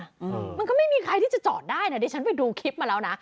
มันก็ไม่มีใครที่จะจอดได้นะดิฉันไปดูคลิปมาแล้วนะ